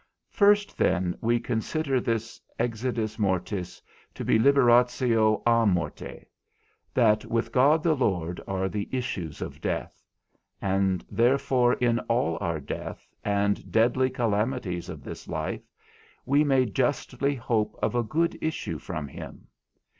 First, then, we consider this exitus mortis to be liberatio à morte, that with God the Lord are the issues of death; and therefore in all our death, and deadly calamities of this life, we may justly hope of a good issue from him.